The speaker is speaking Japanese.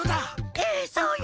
ええそうよ！